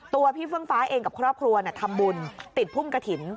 ตัวพี่เฟื่องฟ้าเองกับครอบครัวทำบุญติดพุ่มกระถิ่น